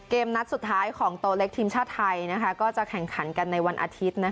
นัดสุดท้ายของโตเล็กทีมชาติไทยก็จะแข่งขันกันในวันอาทิตย์